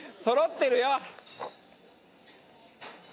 そろってるよ